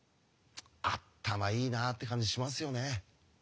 「あったまいいな」って感じしますよね。